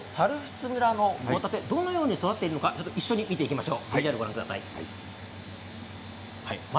小松さん、まず猿払村のホタテ、どのように育っているのか一緒に見ていきましょう。